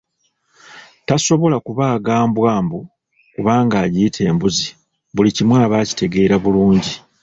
Tasobola kubaaga mbwa mbu kubanga agiyita embuzi, buli kimu aba akitegeera bulungi.